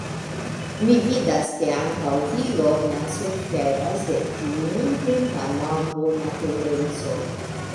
Mi vidas, ke ankaŭ vi, Lorna, suferas de tiu nuntempa, malbona tendenco.